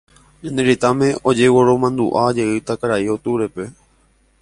ñane retãme ojegueromandu'ajeýta Karai Octubre-pe